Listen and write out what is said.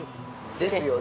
ですよね。